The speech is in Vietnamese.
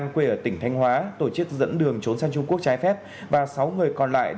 quyết tâm thực hiện thắng lợi